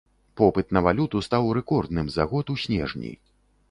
Попыт на валюту стаў рэкордным за год у снежні.